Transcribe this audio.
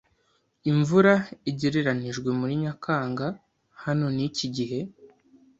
Imvura igereranijwe muri Nyakanga hano ni ikihe?